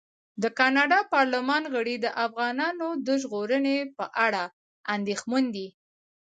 د کاناډا پارلمان غړي د افغانانو د ژغورنې په اړه اندېښمن دي.